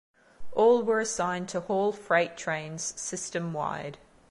All were assigned to haul freight trains system wide.